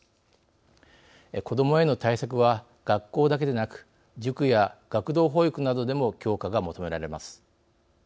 子どもへの対策は学校だけでなく塾や学童保育などでも強化が求められます。